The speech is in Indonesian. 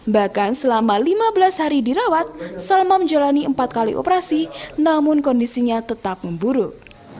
bahkan selama lima belas hari dirawat salma menjalani empat kali operasi namun kondisinya tetap memburuk